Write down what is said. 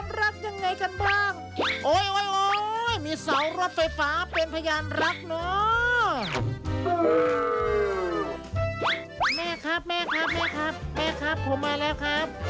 แม่ครับแม่ครับแม่ครับแม่ครับผมมาแล้วครับ